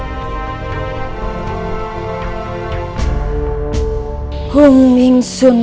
aku ingin mencari